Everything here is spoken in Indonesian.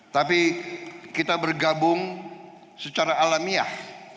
tapi kita bergabung secara alamiah